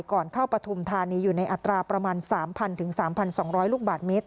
ก่อนเข้าประทุมธานีอยู่ในอาจราประมาณสามพันถึงสามพันสองร้อยลูกบาทเมตร